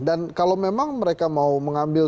dan kalau memang mereka mau mengambil